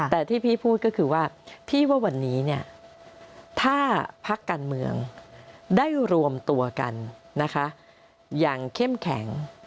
แต่ที่พี่พูดก็คือว่าพี่ว่าวันนี้ถ้าพักการเมืองได้รวมตัวกันนะคะอย่างเข้มแข็ง